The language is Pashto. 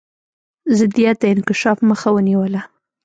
ضدیت د انکشاف مخه ونیوله.